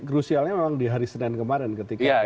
krusialnya memang di hari senin kemarin ketika